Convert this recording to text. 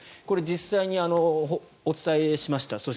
これ、実際にお伝えしました